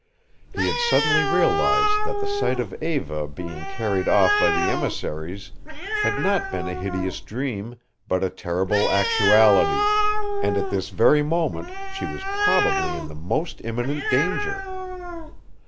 He had suddenly realized that the sight of Eva being carried off by the emissaries had not been a hideous dream, but a terrible actuality, and that at this very moment she was probably in the most imminent danger.